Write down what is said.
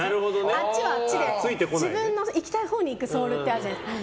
あっちはあっちで自分の生きたいほうに行くソールってあるじゃないですか。